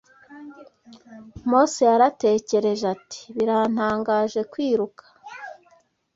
Mose yaratekereje ati biratangaje kwiruka